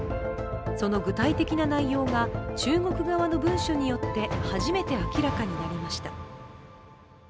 その具体的な内容が中国側の文書によって初めて明らかになりました。